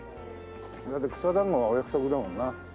だって草だんごはお約束だもんな。